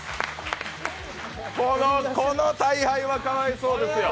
この大敗はかわいそうですよ。